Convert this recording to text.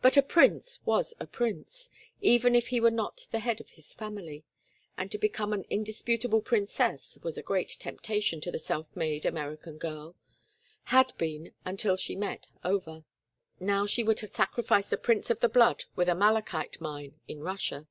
But a prince was a prince, even if he were not the head of his family, and to become an indisputable princess was a great temptation to the self made American girl—had been until she met Over. Now she would have sacrificed a prince of the blood with a malachite mine in Russia.